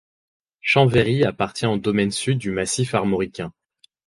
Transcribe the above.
Chanverrie appartient au domaine sud du Massif armoricain.